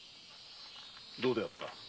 どうであった？